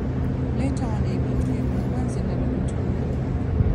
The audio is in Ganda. Leeta wano ebintu ebyo kuba nze nnabikutumye.